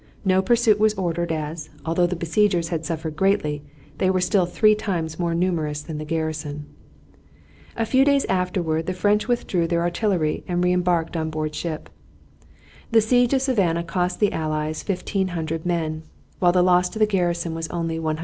No pursuit was ordered as, although the besiegers had suffered greatly, they were still three times more numerous than the garrison. A few days afterward the French withdrew their artillery and re embarked on board ship. The siege of Savannah cost the allies 1500 men, while the loss of the garrison was only 120.